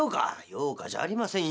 「用かじゃありませんよ。